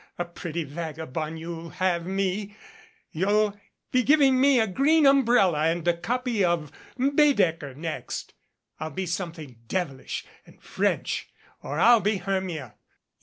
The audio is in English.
A pretty vagabond you'll have me ! You'll be giving me a green umbrella and a copy of Baedeker nest. I'll be something devilish and French or I'll be Hermia.